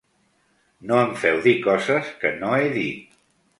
No em feu dir coses que no he dit.